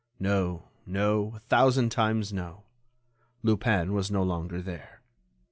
No, no—a thousand times, no—Lupin was no longer there.